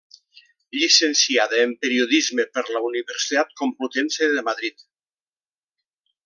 Llicenciada en periodisme per la Universitat Complutense de Madrid.